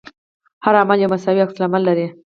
هر عمل یو مساوي عکس العمل لري.